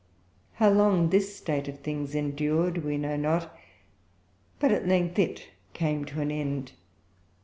How long this state of things endured we know not, but at length it came to an end.